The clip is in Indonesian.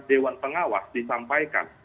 dewan pengawas disampaikan